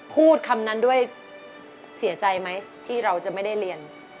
พูดคำนั้นด้วยเสียใจไหมที่เราจะไม่ได้เรียน